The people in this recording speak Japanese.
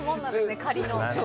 仮の。